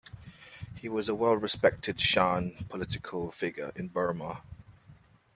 He was a well-respected Shan political figure in Burma.